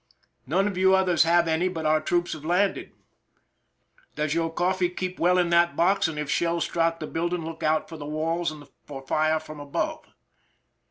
"None of you others have any, but our troops have landed." " Does your coffee keep well in that box, and if shells strike the building look out for the walls and for fire from above